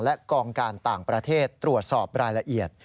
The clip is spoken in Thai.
และกองการต่างประเทศตรวจสอบรายละเอียด